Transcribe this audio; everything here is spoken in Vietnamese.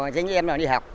giờ như em nào đi học